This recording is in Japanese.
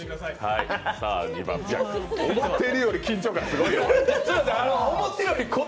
思っているより緊張感すごいよ、これ。